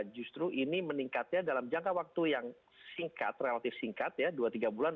justru ini meningkatnya dalam jangka waktu yang singkat relatif singkat ya dua tiga bulan